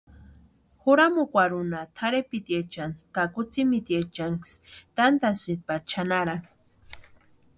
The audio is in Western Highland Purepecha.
Juramukwarhunha tʼarhepitiechani ka kutsïmitiechaniksï tantasïnti pari chʼanarani.